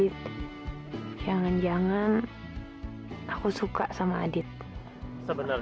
lihatlah pokemon hanya lebih lab and armor enak dan vallahi controversial